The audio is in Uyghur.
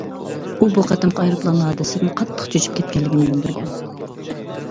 ئۇ بۇ قېتىمقى ئايروپىلان ھادىسىسىدىن قاتتىق چۆچۈپ كەتكەنلىكىنى بىلدۈرگەن.